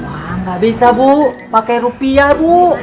wah nggak bisa bu pakai rupiah bu